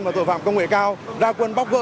và tội phạm công nghệ cao ra quân bóc gỡ